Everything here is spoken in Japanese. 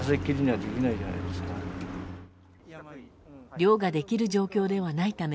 漁ができる状況ではないため